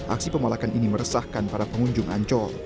aksi pemalakan ini meresahkan para pengunjung ancol